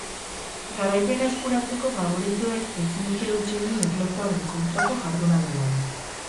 Garaipena eskuratzeko faboritoek ezin dute huts egin erlojuaren kontrako jardunaldian.